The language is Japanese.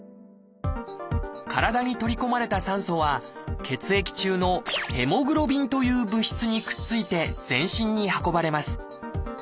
体に取り込まれた酸素は血液中の「ヘモグロビン」という物質にくっついて全身に運ばれます。